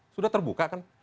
sudah terbuka kan